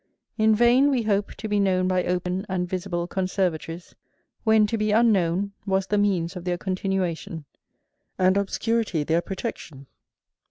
In vain we hope to be known by open and visible conservatories, when to be unknown was the means of their continuation, and obscurity their protection.